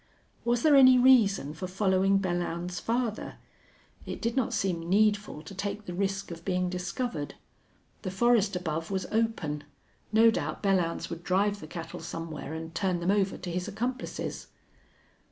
Was there any reason for following Belllounds farther? It did not seem needful to take the risk of being discovered. The forest above was open. No doubt Belllounds would drive the cattle somewhere and turn them over to his accomplices.